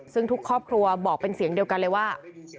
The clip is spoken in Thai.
ซึ่งทุกครอบครัวบอกเป็นเสียงเดียวกันเลยว่า